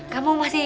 kamu masih sedih